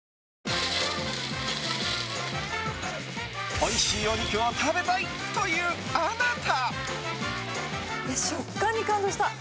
おいしいお肉を食べたいというあなた。